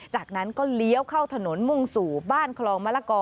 จากนั้นก็เลี้ยวเข้าถนนมุ่งสู่บ้านคลองมะละกอ